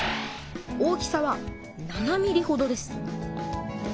大きさは７ｍｍほどです。